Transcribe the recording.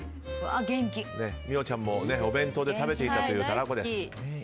美桜ちゃんもお弁当で食べていたというたらこです。